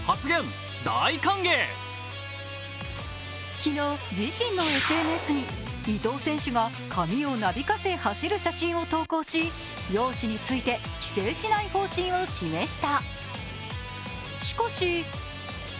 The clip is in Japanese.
昨日、自身のＳＮＳに伊藤選手が髪をなびかせ走る写真を投稿し容姿について規制しない方針を示した。